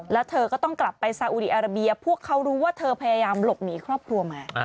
แล้วเธอก็ต้องกลับไปซาอุดีอาราเบียพวกเขารู้ว่าเธอพยายามหลบหนีครอบครัวมา